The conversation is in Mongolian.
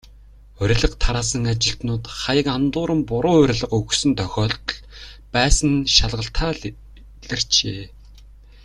Урилга тараасан ажилтнууд хаяг андууран, буруу урилга өгсөн тохиолдол байсан нь шалгалтаар илэрчээ.